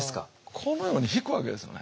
このようにひくわけですよね。